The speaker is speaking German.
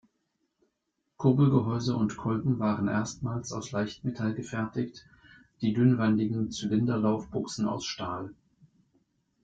Kurbelgehäuse und Kolben waren erstmals aus Leichtmetall gefertigt, die dünnwandigen Zylinderlaufbuchsen aus Stahl.